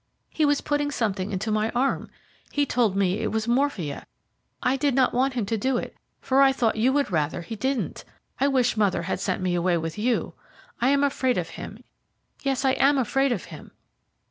He was putting something into my arm he told me it was morphia. I did not want him to do it, for I thought you would rather he didn't. I wish mother had sent me away with you. I am afraid of him; yes, I am afraid of him."